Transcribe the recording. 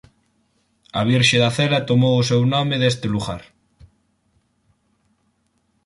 A Virxe da Cela tomou o seu nome deste lugar.